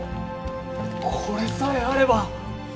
これさえあれば。